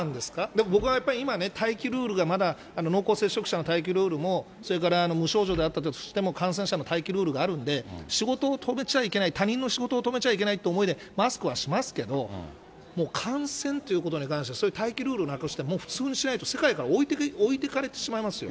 でも僕はやっぱ今ね、待機ルールがまだ、濃厚接触者の待機ルールも、それから無症状であったとしても感染者の待機ルールがあるんで、仕事を止めちゃいけない、他人の仕事を止めちゃいけないという思いで、マスクはしますけど、もう感染ということに関して、そういう待機ルールなくして、もう普通にしないと、世界から置いてかれてしまいますよ。